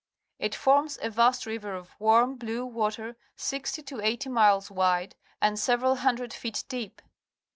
It forms a vast river of warm, blue water, sixty to eighty miles wide and several handled feet deep.